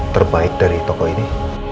terbaik dari toko ini